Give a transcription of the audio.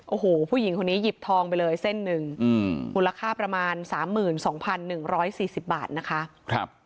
โอ้โหผู้หญิงคนนี้หยิบทองไปเลยเส้นหนึ่งมูลค่าประมาณ๓๒๑๔๐บาทนะคะ